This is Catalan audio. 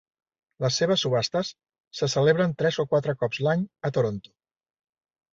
Les seves subhastes se celebren tres o quatre cops l'any a Toronto.